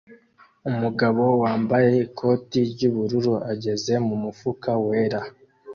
Umugabo wambaye ikoti ry'ubururu ageze mumufuka wera